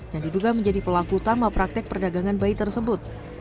yang diduga menjadi pelaku utama praktek perdagangan bayi tersebut